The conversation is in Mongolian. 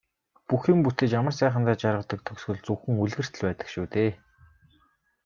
Бүх юм бүтэж амар сайхандаа жаргадаг төгсгөл зөвхөн үлгэрт л байдаг шүү дээ.